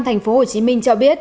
thành phố hồ chí minh cho biết